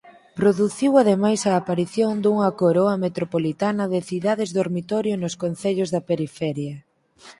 Produciu ademais a aparición dunha coroa metropolitana de cidades dormitorio nos concellos da periferia.